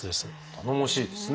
頼もしいですね。